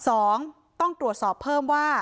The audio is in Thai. สองต้องตรวจสอบเพิ่มว่า